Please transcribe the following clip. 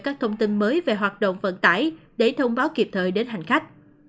các thông tin mới về hoạt động vận tải để thông báo kịp thời đến hành khách